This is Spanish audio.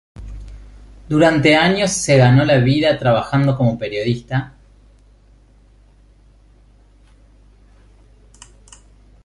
Durante años se ganó la vida trabajando como periodista.